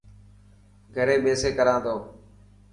گهري ٻيسي ڪران تو.